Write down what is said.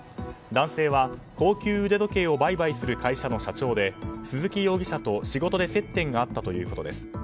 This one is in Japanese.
男性は高級腕時計を売買する会社の社長で鈴木容疑者と仕事で接点があったということです。